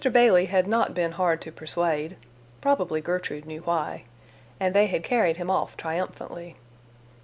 Bailey had not been hard to persuade—probably Gertrude knew why—and they had carried him off triumphantly.